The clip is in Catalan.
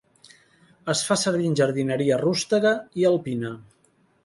Es fa servir en jardineria rústega i alpina.